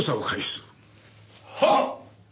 はっ！